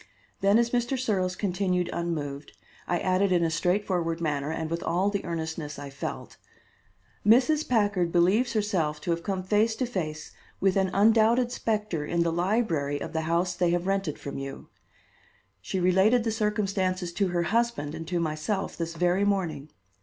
Then as Mr. Searles continued unmoved, I added in a straightforward manner, and with all the earnestness I felt: "Mrs. Packard believes herself to have come face to face with an undoubted specter in the library of the house they have rented from you. She related the circumstances to her husband and to myself this very morning.